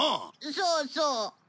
そうそう。